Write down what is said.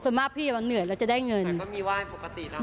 ส่วนมากพี่เหนือเราจะได้เงินแต่ก็มีไหว้ปกติแล้ว